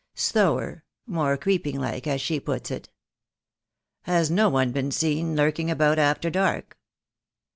Slower, more creeping like, as she puts it." "Has no one been seen lurking about after dark?"